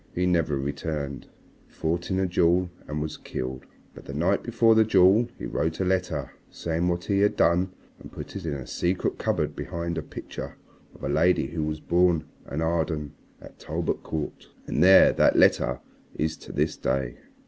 He never returned. He fought in a duel and was killed. But the night before the duel he wrote a letter saying what he had done and put it in a secret cupboard behind a picture of a lady who was born an Arden, at Talbot Court. And there that letter is to this day."